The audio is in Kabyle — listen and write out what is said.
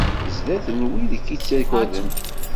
Sdat n wid i k-ittaggaden.